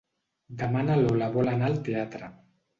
Demà na Lola vol anar al teatre.